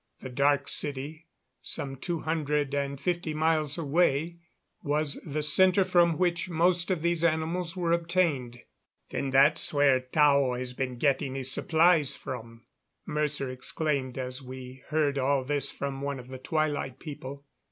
The Dark City, some two hundred and fifty miles away, was the center from which most of these animals were obtained. "Then, that's where Tao has been getting his supplies from," Mercer exclaimed, as we heard all this from one of the Twilight People.